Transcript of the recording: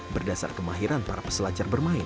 berdasar kemahiran para peselancar bermain